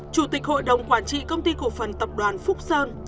chủ tịch hội đồng quản trị công ty cổ phần tập đoàn phúc sơn